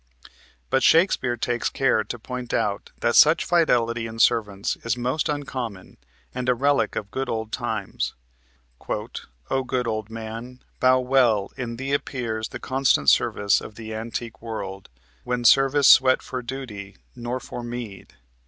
But Shakespeare takes care to point out that such fidelity in servants is most uncommon and a relic of the good old times "O good old man, bow well in thee appears The constant service of the antique world, When service sweat for duty, nor for meed!